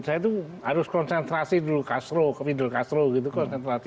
saya tuh harus konsentrasi dulu castro